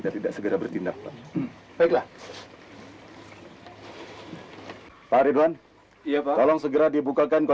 jangan lupa pak